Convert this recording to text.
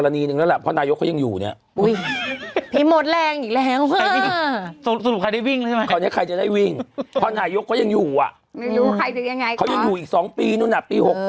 สตเต้ก็ไม่ต้องวิ่งสิไหม